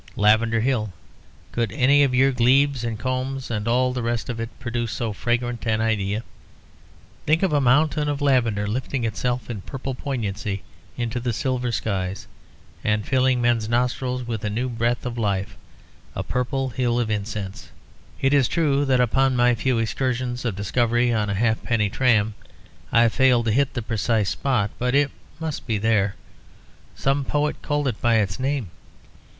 "Lavender Hill! Could any of your glebes and combes and all the rest of it produce so fragrant an idea? Think of a mountain of lavender lifting itself in purple poignancy into the silver skies and filling men's nostrils with a new breath of life a purple hill of incense. It is true that upon my few excursions of discovery on a halfpenny tram I have failed to hit the precise spot. But it must be there; some poet called it by its name.